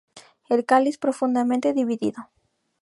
El cáliz profundamente dividido.